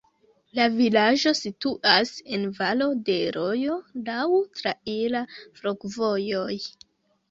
La vilaĝo situas en valo de rojo, laŭ traira flankovojoj.